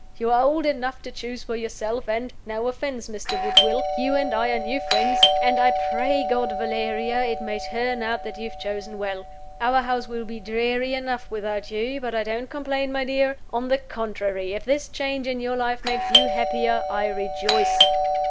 You are old enough to choose for yourself, and no offense, Mr. Woodville, you and I are new friends and I pray God, Valeria, it may turn out that you have chosen well. Our house will be dreary enough without you; but I don't complain, my dear. On the contrary, if this change in your life makes you happier, I rejoice.